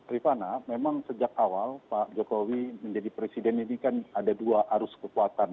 rifana memang sejak awal pak jokowi menjadi presiden ini kan ada dua arus kekuatan